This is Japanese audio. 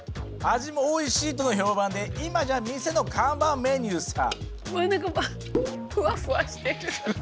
味もおいしいとの評判で今じゃ店の看板メニューさ。